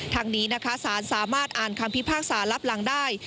ทางนี้นะคะสารสามารถอ่านคำพิพากษารับหลังได้